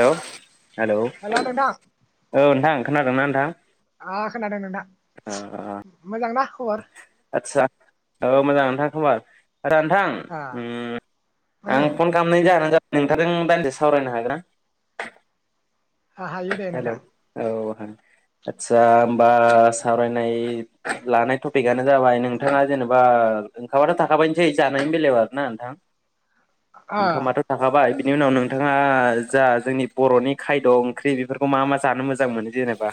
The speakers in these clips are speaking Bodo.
हेलौ हेलौ हेल' नोंथां, औ नोंथां खोनादोंना नोंथां ओ खोनादों नोंथां, ओ मोजां ना? [unintelligible] आदसा औ मोजां नोंथां खबर। आदा नोंथां आ उम उम आं फन खालामनाय जाहोना जादों नोंथांजों दान्दिसे सावरायनो हागोन ना? ओ हायो दे हेलौ नोंथां। औ आदसा होमबा सावरायनाय लानाय टपिकआनो जाबाय, नोंथाङा जेनेबा ओंखाराथ' थाखाबायनोसै जानायनि बेलायाव आरोना नोंथां। ओ ओंखामाथ' थाखाबाय। बेनि उनाव नोंथाङा जा जोंनि बर'नि खायद। ओंख्रि बेफोरखौ मा मा जानो मोजां मोनो जेनेबा?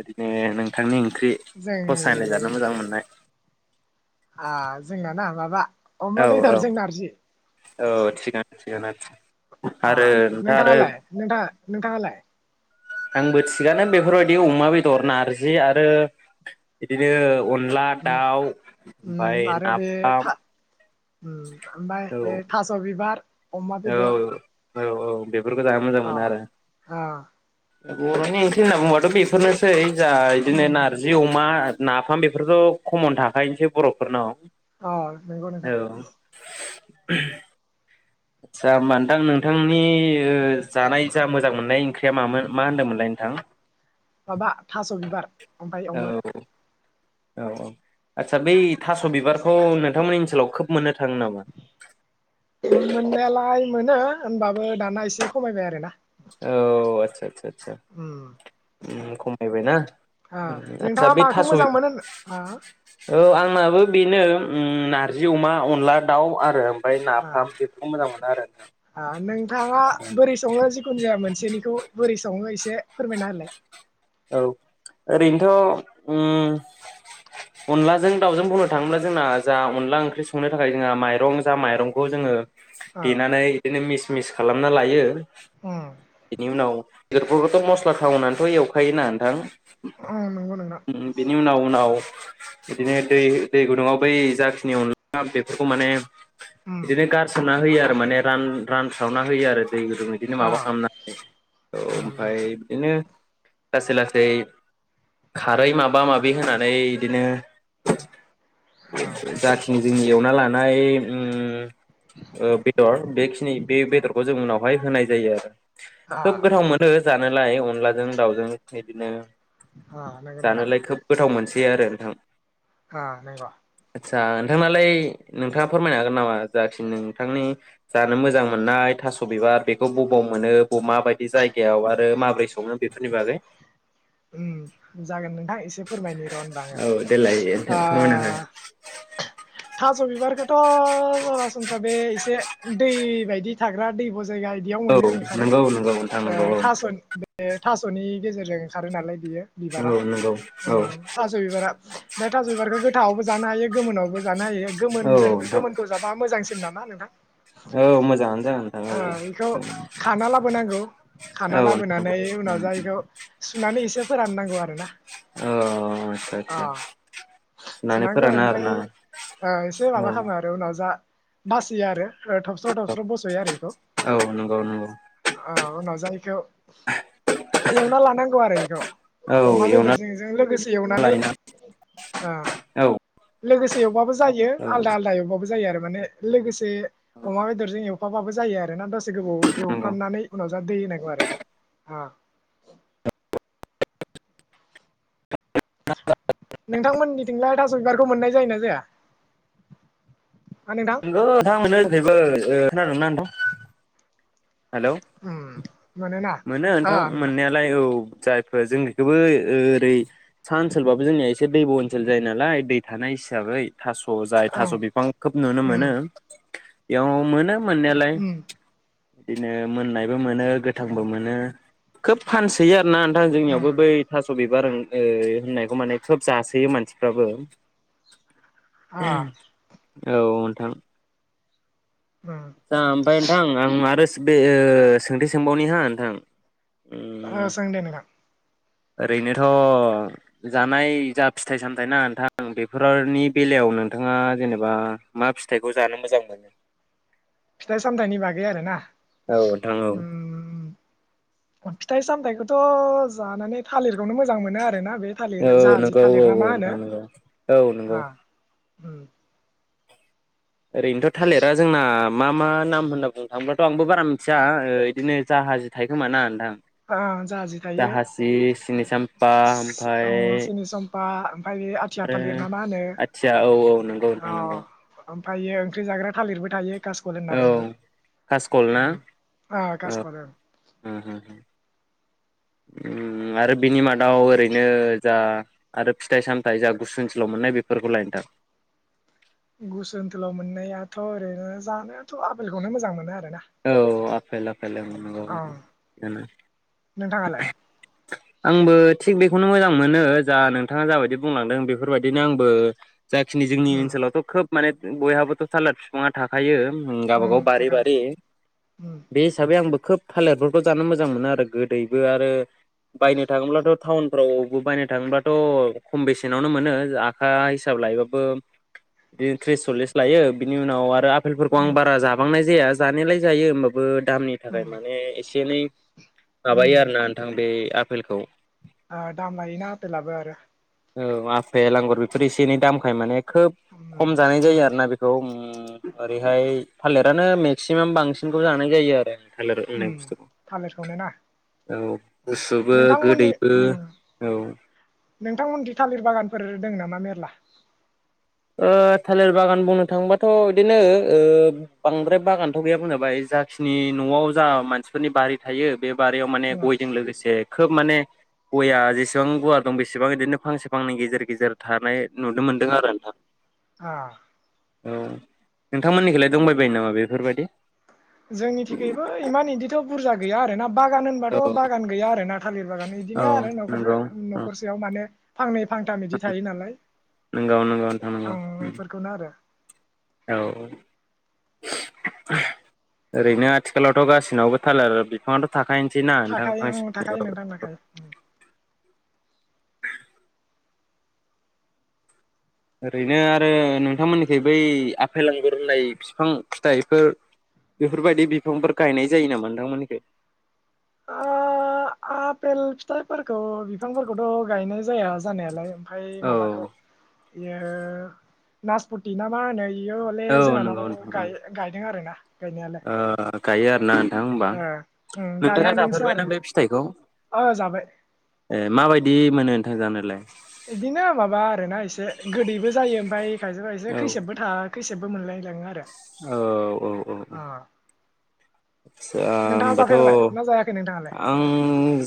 ओरैनो नोंथांनिं ख्रि जोंनि फसायनाय जानो मोजां मोननाय। आ जोंना ना माबा। अमा औ औ बेदरजों नारजि। औ थिगानो। [unintelligible] ओ नोंथां आरो नोंथांआलाय? नोंथांगालाय? आंबो थिगानो बेफोरबायदि अमा बेदर नारजि आरो बिदिनो अन न्ला उम दाउ उम ओमफ्राय आरो बे था नाफाम। औ ओमफ्राय थास' बिबार। अमा औ बेदर। औ औ बे बेफोरखौ जानो मोजां अ मोनो आरो। अ बर'नि ओंख्रि होनना बुं बाथ' बेफोरनो। है जा बिदिनो उम नारजि अमा नाफाम बे बेफोरथ' खमन थाखायोसै बर'फोरनाव। औ नंगौ औ नोंथां। [unintelligible] आदसा होमबा नोंथां नोंथांनि जानाय जा मोजां मोननाय ओंख्रिया मामोन मा होन्दोंमोनलाय नोंथां? माबा थास'बिबार। उमफाइ अमा। औ औ औ आतसा बै थास' बिबारखौ नोंथांमोननि ओनसोलाव खोब मोननो। थाङो नामा? मोननायालाय? मोनो होमबाबो दाना एसे खमायबाय आरोना। औ आतसा आससा। उम खमायबायना ओ आदसा नोंथाङा बे माखौ थास' मोजां मोनो ओ औ आंनाबो। बेनो नारजि अमा अनला दाउ आरो। ओमफ्राय ओ नाफाम बेफोरखौ मोजां मोनो आरो नोंथां। थाङा बोरै सङो जिखुनु जाया मोनसेनिखौ। बोरै सङ एसे फोरमायना होलाय। औ ओरैनोथ' ओम अनलाजों दाावजों बुंनो थाङोब्ला जोंना जा अनला ओंख्रि संनो थाखाय जोंहा माइरं जा माइरंखौ जोङो ओ देनानै बिदिनो मि मिस खालामना लायो उम इनि उनाव बेदरफोरखौथ' मस्ला खावनानैथ' एव खायोना नोंथां उम नंगौ नोंथां बेनि उनाव उनाव बिदिनो दै दै गुदुङाव बै जाखिनि अनला बेफोरखौ माने उम बिदिनो गारसोमना होयो आरो माने रान रानस्रावना होयो आरो दै गुदुं बिदिनो ओ माबा खालामनानै औ उम उम ओमफ्राय बिदिनो लासै लासै खारै माबा माबि होनानै बिदिनो ओ जाखिनि जोंनि एवना लानाय उम बेदर बेखिनि बे बेदरखौ जों उनावहाय होनाय जायो आरो ओ खोब गोथाव मोनो जानोलाय अनलाजों दाउजों बिदिनो ओ नंगौ नोंथां जानोलाय खोब गोथाव मोनसै आरो नोंथां हा नायबा आदसा नोंथांनालाय नोंथाङा फोरमायनो हागोन नामा जाखि नोंथांनि जानो मोजां मोननाय थास' बिबार बेखौ बबाव मोनो बबे माबायदि जायगायाव आरो माबोरै सङो बेफोरनि बागै जागोन नोंथां एसे फोरमायनि र' होनबा आंङो औ देलाय नोंथां फोरमायना थास' बिबारखौ थ' सरासनस्रा बे एसे दै बायदि था ग्रा दैब' जायगा बिदियाव हो औ मोनो ओंखारो नंगौ नंगौ नोंथां नंगौ औ थासन बे थास'नि गेजेरजों ओंखारो नालाय बियो बिबारा औ नंगौ औ ओम थास' बिबारा ओमफ्राय थास' बिबारखौ गोथाङावबो जानो हायो गोमोनावबो जानो हायो औ गोमोन नोंथां गोमोनखौ जाबा मोजांसिन नामा [unintelligible] ओ औ मोजाङानो जागोन नोंथां औ बेखौ खाना लाबोनांगौ औ खाना औ लाबोनानै उनाव जा बेखौ सुनानै एसे फोराननां आदसा आदसा [unintelligible] सुनानै सुनांगौ फोरानो ओमफ्राय आरोना एसे औ माबा खालामो आरो उनाव जा बासियो आरो थबस्र थस्र' बस'यो आरो बेखौ औ नंगौ नंगौ उनाव जायखौ एयावना लानांगौ आरो आरो बेखौ औ अमा एवना बेदरजोंजों लोगोसे एवनानै लायोना ओ औ लो गोसे एवबाबो जायो आलदा आलदा एबाबो जायो आरो माने लोगोसे अमा बेदरजों अमाबाबो जायो आरोना दस गोबाव नंगौ एवफ्रामनानै उनाव [unintelligible] नोंथांमोननिथिंलाय थास' बिबारखौ मोननाय जायो ना जाया? हा नोंथां [unintelligible] खोनादोंना नोंथां? हेल' उम मोनोना मोनो नोंथां मोननायालाय। जायफोर जों बेखौबो ओरै साहा ओनसोलबाबो जोंनिया एसे दैब' ओनसोल जायो नालाय दै थानाय हिसाबै थास' जाय ओं थास' बिफां खोब नुनो मोनो। उम एयाव मोनो। मोननायालाय। उम बिदिनो मोननाय बो मोनो गोथांबो मोनो। खोब फानसोयो आरोना नोंथां जोंनियावबो उम बै थास' बिबार ओ होननायखौ माने खोब जासोयो मानसिफ्राबो। अ। औ नोंथां। उम दा ओमफाय नोंथां आं आरो बे सोंथि सोंबावनि हा नोंथां। आ सों दे नोंथां। ओरैनोथ' जानाय जा फिथाइ सामथायाइ ना नोंथां बेफोरनि बेलायाव नोंथाङा जेनेबा मा फिथाइखौ जानो मोजां मोनो? फिथाइ सामथायाइनि बागै आरोना? औ नोंथां औ उम। मा फिथाइ सामथायाइखौथ जानानै थालिर। खौनो मोजां मोनो आरोना बे थालिर औ जाहाजि नंगौ औ थालिर ना औ मा होनो नोंथां नंगौ औ नंगौ आ ओरैनोथ' थालिरा जोंना मा मा नाम होनना बुंनो थाङोब्ला आंबो बारा मिथिया ओ इदिनो जाहाजि थायोखोमा ना नोंथां। जाहाजि थायो जाहाजि सिनि साम्फा ओमफ्राय ओ सिनि सामपा। आरो आथिया औ औ नंगौ नोंथां नंगौ। थायो ओंख्रि जाग्रा थालिरबो थायो। कासकल होनना औ कासकल ना बुङो अ कासकल। औ उम आरो बिनि माद दाव ओरैनो जा आरो फिथाइ सामथाय जा गुसु ओनसोलाव मोननाय बेफोरखौ लायनो थां। गुसु ओनथोलाव मोननायाथ ओरैनो जानायाथ आपेलखौनो मोजां मोनो आरो। औ आपेल-आपेल नंगौ ओं नोंथाङालाय आंबो थिग बेखौनो मोजां मोनो जा नोंथाङा जाबायदि बुंलांदों बेफोरबायदिनो आंबो। जाखिनि जोंनि उम ओनसोलाव खोब माने बयहाबोथ थालिर बिफाङा थाखायो। उम गावबाागाव थाखायो बारि-बारि। उम बे इसाबयै ओमफ्राय आंबो खोब थालेरफोरखौ जानो मोजां मोनो आरो गोदैबो आरो बायनो थांयोब्लाथ थाउनफोराव बायनो थांयोब्लाथ खम बेसेनावनो मोन्नो आखा इसाब लायोब्लाबो बिदिनो थ्रिस सललिस बेनि उनाव आफेल आफेलफोरखौ आं उम बारा जाबांनाय जाया। जानायलाय जायो होमबाबो। दामनि थाखाय उम माने एसे एनै उम माबायो आरोना नोंथां बे। आपेलखौ ओ दाम लायोना आपेलाबो आरो। औ आपेल आांगुर बेफोर एसे एनै दामखाय माने खोब उम खम जानाय जायो आरोना बे ओ ओरैहाय थालिरानो मेक्सिमाम बांसिन बेखौ जानाय जायो आरो। थालिर उम होननाय बुस्थुखौ थालिरखौनो ना औ गुसुबो नोंथांमोननि गोदैबो उम औ नोंथांमोनखि थालिर बागानफोर दं नामा मेरला ओ थालिर बागान बुंनो थाङोबाथ बिदिनो बांद्राय बागानथ' गैया बुं जाबाय जाखिनि नआव जा मानसिफोरनि बारि थायो बे बारियाव माने उम गयजों लोगोसे खोब माने गया जेसेबां गवा दं बेसेबां बिदिनो फांसे फांनै गेजेर गेजेर थानाय नुनो मोनदों आरो नोंथां। [inaudible] औ नोंथांमोननिखिलाय दंबायबायो नामा बेफोरबायदि जोंनिथिखैबो इमान इदिथ' बुरजा गैया आरो ना बागान होनबाथ बागान गैया आरो ना थालिर बागान औ बिदिनो आरो नखरसे नंगौ औ नखरसेयाव माने फांनै फांथाम इदि थायो नालाय नंगौ नंगौ नोंथां नंगौ ओं इफोरखौनो आरो औ ओरैनो आथिखालावथ गासिनावबो थालार बिफाङाथ थाखायो सिना नोंथां थाखायो आं फांसे थाखायो नोंथां [inaudible] थाखायो ओरैनो आरो नोंथांमोननिखि बै आफेल आंगुर होननाय फिफां फिथाइफोर बेफोरबायदि बिफांफोर गायनाय जायो नामा नोंथांमोननिखै आ आ पेल फिथाइफोरखौ बिफांफोरखौथ गायनाय जाया जानायालाय ओमफाय औ माबाखौ बेयो नासपति ना मा होनो बियो हले औ नंगौ जोंहानाव नोंथां गाय गायदों आरो ना ओ गायो आरोना नोंथां होमबा ओ उम [unintelligible] गायहांदोंसो आरो जाफेरबायना बे फिथाइखौ? ओ जाबाय ए माबायदि मोनो नोंथां जानोलाय इदिनो माबा आरोना एसे गोदैबो जायो ओमफाय खायसे खायसे खैसेबबो था खैसेब बो मोनलायलाङो आरो औ-औ-औ-औ अ आ नोंथाङा होनोमबाथ' जाफेरबाय ना जायाखै नोंथाङालाय आं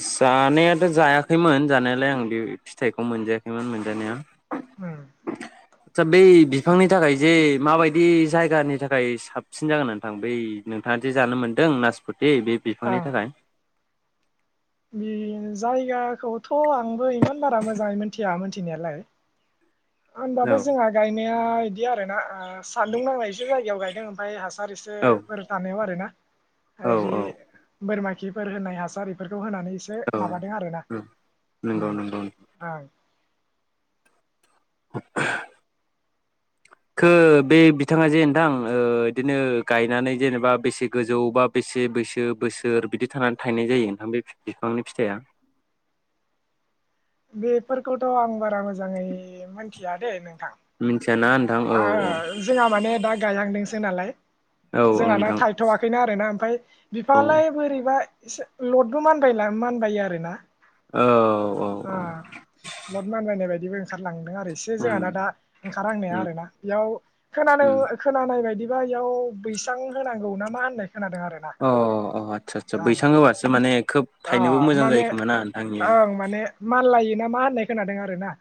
जानायाथ' जाया खैमोन जानायालाय आं बे फिथाइखौ मोनजायाखैमोन मोनजानाया होम आदसा बै बिफांनि थाखाय जे माबायदि जायगानि थाखाय साबसिन जागोन नोंथां बै नोंथाङा दि जानो मोन दों नासप ति बे बिफांनि थाखाय बे जायगाखौथ' आंबो इमान बारा मोजाङै मिथिया मिथिनायालाय होमबाबो औ जोंहा गायना या इदि आरो ना सान्दुं नांनाय एसे जायगायाव गायदों ओमफाय हासा सार औ इसेफोर थानायाव आरो ना औ ओरि औ बोरमा खिफोर होनाय हासार इफोरखौ होनानै एसे माबादों आरोना औ नंगौ ओम नंगौ ओं [inaudible] खो बे बिथाङा जे नोंथां ओ इदिनो गायनानै जेनेबा बेसे गोजौ बा बेसे बैसो बोसोर बिदि थानानै थायनाय जायो नोंथां बे बिफांनि फिथाइया? बेफोरखौथ' आं बारा मोजाङै मिथिया दे नों थां मिथियाना नोंथां औ औ जोंहा माने दा गायहांदोंसो नालाय औ औ जोंहाना नोंथां थायथ'वाखैना आरो ना ओमफाय औ बिफाङालाय बोरैबा एसे लदबो मानबाय मानबायो आरो ना औ औ औ आ [unintelligible] मानबायनाय बा दिनो ओंखारलाङो। इसे उम जोंहाना दा ओंखारहांनाया उम आरो ना बियाव खोनानाय उम खोनानाय बायदिबा बा एयाव बैसां होनांगौ ना मा होननाय खोनादों आरोना अ अ आदसा आदसा ओं बैसां होबासो माने खोब अ थायनोबो मोजां जायो माने खोमा ना नोंथांनिया ओं माने माल लायो ना मा होननाय खोनादों आरो ना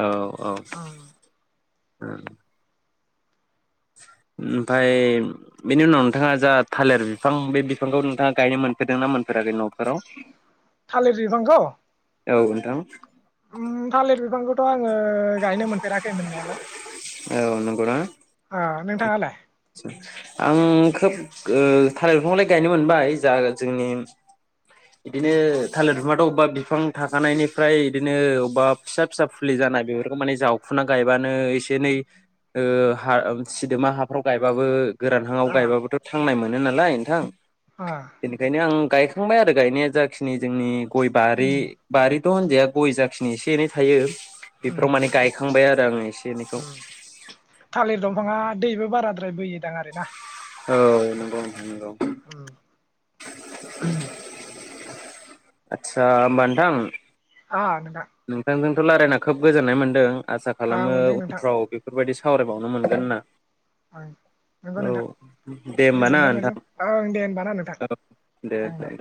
औ औ ओ ओमफाय बेनि उनाव नोंथाङा जा थालिर बिफां बे बिफांखौ नोंथाङा गायनो मोनफेरदोंना मोनफेराखै न'फोराव थालिर बिबांखौ औ नोंथां थालिर बिफांथ आं--' आङो गायनो मोनफेराखै मोननायालाय औ नंगौना अ नोंथाङालाय आं खोब थालिर बिफांखौलाय गायनो मोनबाय जा जोंनि बिदिनो थालिर बिफांआथ' अबेबा बिफां थाखानायनिफ्राय बिदिनो अबेबा फिसा फिसा फुलि जानाय बेफोरखौ माने जावखुना गायबानो एसे एनै सिदोमा हाब [unintelligible] गायबाबो गोरान हांआव आ गायबाबोथ' थांनाय मोन मोन नालाय नोंथां आ बेनिखायनो आं गायखांबाय आरो गायनाया जाखिनि जोंनि गय बारि उम बारि थ' उजाया गय जाखिनि एसे एनै थायो बेफोराव उम माने गायखांबाय आरो आङो एसे एनैखौ उम थालिर दंफाङा दैबो बाराद्राय बोयोदां आरोना औ नंगौ नंगौ उ उम आतसा ओमबा नोंथां आ नोंथांजों ' रायलायना खोब गोजोन्नाय मोनदों आसा आं खालामो मोनदों नोंथां उनफ्राव बेफोरबायदि सावरायबावनो मोनगोन ना ओं नंगौ नोंथां दे होमबा ना गोजोननाय नोंथां मोजां ओं दे होनोमबा ना नोंथां औ ओं दे